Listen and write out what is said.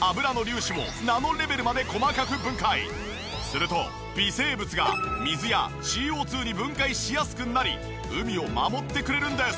すると微生物が水やＣＯ２に分解しやすくなり海を守ってくれるんです。